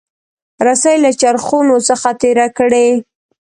رسۍ له چرخونو څخه تیره کړئ.